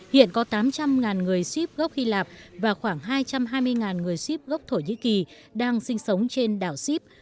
hiện có tám trăm linh người ship gốc hy lạp và khoảng hai trăm hai mươi người ship gốc thổ nhĩ kỳ đang sinh sống trên đảo sip